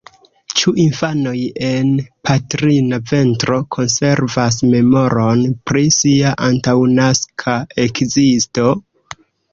Ĉu infanoj en patrina ventro konservas memoron pri sia antaŭnaska ekzisto?